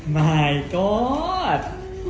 ไม่ก็อด